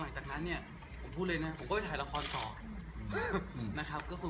หลังจากนั้นพูดเลยนะครับผมก็ไปถ่ายละครละครเลย